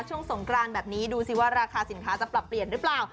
สงกรานแบบนี้ดูสิว่าราคาสินค้าจะปรับเปลี่ยนหรือเปล่า